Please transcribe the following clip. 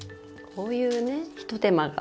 こういうねひと手間が。